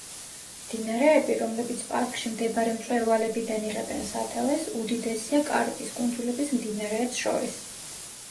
მდინარეები, რომლებიც პარკში მდებარე მწვერვალებიდან იღებენ სათავეს, უდიდესია კარიბის კუნძულების მდინარეებს შორის.